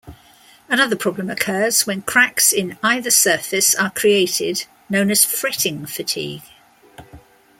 Another problem occurs when cracks in either surface are created, known as fretting fatigue.